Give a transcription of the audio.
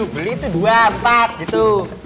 beli itu dua empat gitu